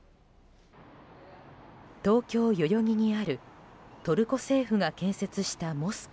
東京・代々木にあるトルコ政府が建設したモスク。